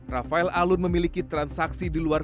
rafael alun memiliki transaksi di luar